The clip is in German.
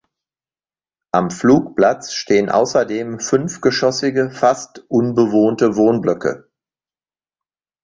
Am Flugplatz stehen außerdem fünfgeschossige, fast unbewohnte Wohnblöcke.